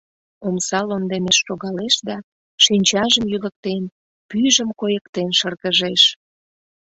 Омса лондемеш шогалеш да, шинчажым йӱлыктен, пӱйжым койыктен шыргыжеш.